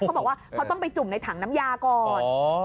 เขาต้องไปจุ่มในถังน้ำยาก่อน